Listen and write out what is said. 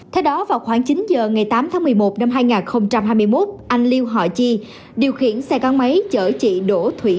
theo đó vào khoảng chín giờ ngày tám tháng một mươi một năm hai nghìn hai mươi một anh liêu họ chi điều khiển xe gắn máy chở chị đỗ thủy